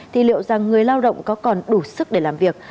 thì liệu rằng người lao động có còn đủ sức để làm việc